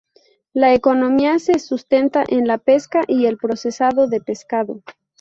La economía se sustenta en la pesca y el procesado de pescado.